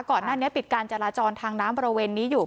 ก่อนหน้านี้ปิดการจราจรทางน้ำบริเวณนี้อยู่